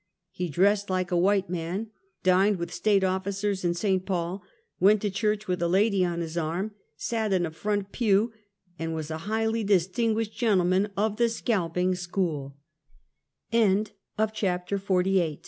He dressed like a white man, dined with State officers in St. Paul, went to church with a lady on his arm, sat in a front pew, and was a highly distinguished gentleman of the scalping sc